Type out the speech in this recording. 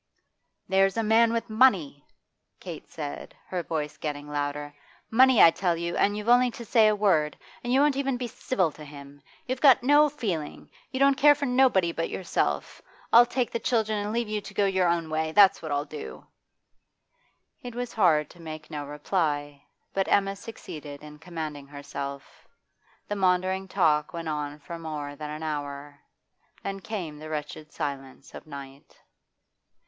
'There's a man with money,' said Kate, her voice getting louder; 'money, I tell you, and you've only to say a word. And you won't even be civil to him. You've got no feeling; you don't care for nobody but yourself. I'll take the children and leave you to go your own way, that's what I'll do!' It was hard to make no reply, but Emma succeeded in commanding herself. The maundering talk went on for more than an hour. Then came the wretched silence of night.